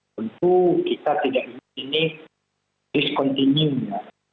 tentu kita tidak ingin ini discontinuenya